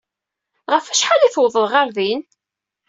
Ɣef wacḥal i tewwḍeḍ ɣer din?